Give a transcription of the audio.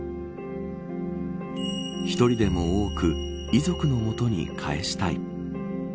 一人でも多く遺族の元に返したい。